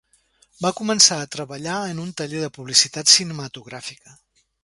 Va començar a treballar en un taller de publicitat cinematogràfica.